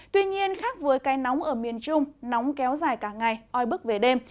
tuy nhiên khác với cây nóng ở miền trung nóng kéo dài cả ngày oi bức về đêm